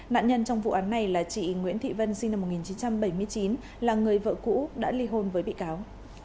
nạn nhân trong vụ án này là chị nguyễn thị vân sinh năm một nghìn chín trăm bảy mươi chín là người vợ cũ đã ly hôn với bị cáo